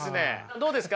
どうですか？